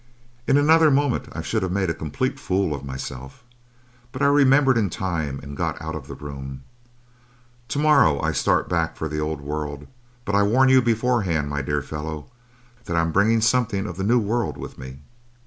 "In another moment I should have made a complete fool of myself, but I remembered in time and got out of the room. To morrow I start back for the old world but I warn you beforehand, my dear fellow, that I'm bringing something of the new world with me.